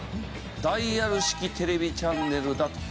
ダイヤル式テレビチャンネルだと。